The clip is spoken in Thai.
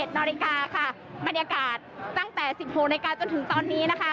บรรยากาศตั้งแต่๑๖นาฬิกาจนถึงตอนนี้นะคะ